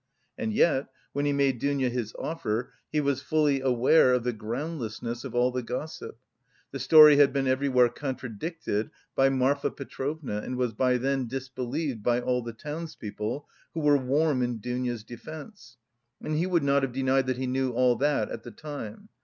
And yet, when he made Dounia his offer, he was fully aware of the groundlessness of all the gossip. The story had been everywhere contradicted by Marfa Petrovna, and was by then disbelieved by all the townspeople, who were warm in Dounia'a defence. And he would not have denied that he knew all that at the time.